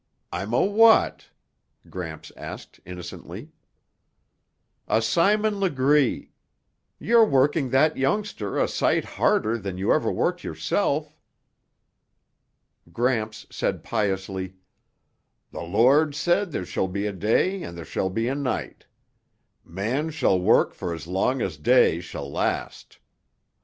.." "I'm a what?" Gramps asked innocently. "A Simon Legree. You're working that youngster a sight harder than you ever worked yourself." Gramps said piously, "The Lord said there shall be a day and there shall be a night. Man shall work for as long as day shall last.